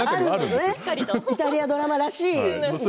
イタリアドラマらしい。